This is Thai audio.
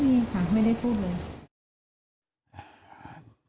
มีค่ะไม่ได้พูดเลย